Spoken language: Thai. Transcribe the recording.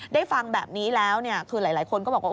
ฟังแบบนี้แล้วคือหลายคนก็บอกว่า